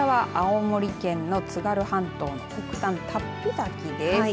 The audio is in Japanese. こちらは青森県の津軽半島の北端龍飛崎です。